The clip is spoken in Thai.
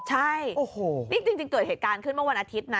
ใช่นี่จริงเกิดเหตุการณ์ขึ้นเมื่อวันอาทิตย์นะ